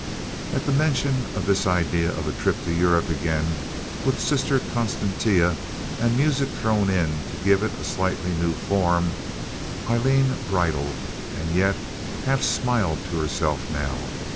At the mention of this idea of a trip of Europe again, with Sister Constantia and music thrown in to give it a slightly new form, Aileen bridled, and yet half smiled to herself now.